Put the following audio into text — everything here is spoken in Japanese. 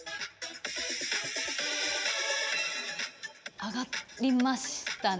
上がりましたね。